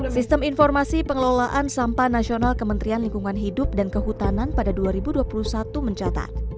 sistem informasi pengelolaan sampah nasional kementerian lingkungan hidup dan kehutanan pada dua ribu dua puluh satu mencatat